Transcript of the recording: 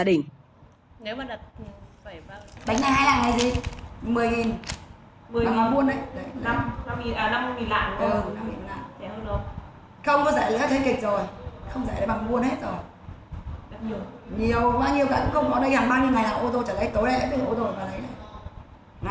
đến một mươi nếu mà vậy bánh này là gì một mươi ngon u năm mươi lại không có dạy ra trên kịch rồi không dạy